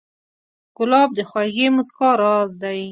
ګلاب د خوږې موسکا راز دی.